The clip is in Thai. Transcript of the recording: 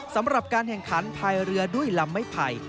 สำหรับการแข่งขันภายเรือด้วยลำไม้ไผ่